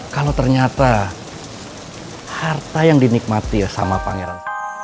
kalau ternyata harta yang dinikmati ya sama pangeran